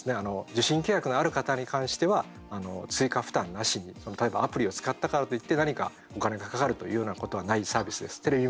受信契約のある方に関しては追加負担なしに、例えばアプリを使ったからといって何かお金がかかるというようなことはないサービスです。